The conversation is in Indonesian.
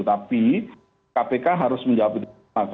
tapi kpk harus menjawab itu